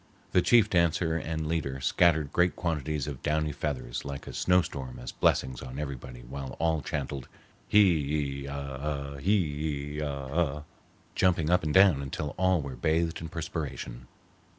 The chief dancer and leader scattered great quantities of downy feathers like a snowstorm as blessings on everybody, while all chanted, "Hee ee ah ah, hee ee ah ah," jumping up and down until all were bathed in perspiration.